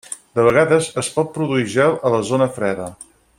De vegades es pot produir gel a la zona freda.